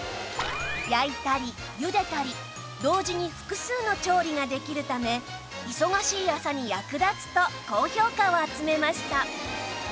焼いたりゆでたり同時に複数の調理ができるため忙しい朝に役立つと高評価を集めました